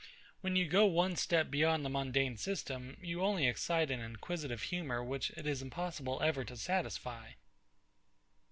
When you go one step beyond the mundane system, you only excite an inquisitive humour which it is impossible ever to satisfy.